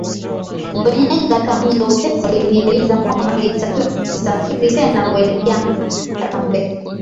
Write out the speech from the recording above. Wenyeji katika mji wa Utete walinieleza kwamba nilitakiwa nisafiri tena kuelekea Ngarambe